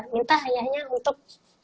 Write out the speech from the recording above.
minta ayahnya untuk